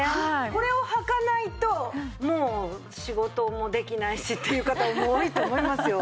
これをはかないともう仕事もできないしっていう方多いと思いますよ。